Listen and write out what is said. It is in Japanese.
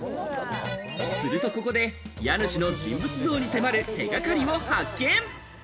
すると、ここで家主の人物像に迫る手掛かりを発見。